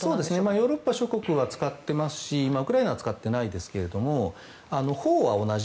ヨーロッパ諸国は使ってますしウクライナは使っていませんが砲は同じ。